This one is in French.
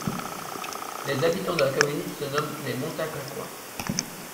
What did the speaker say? Les habitants de la commune se nomment les Montagnacois.